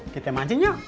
kita mancing yuk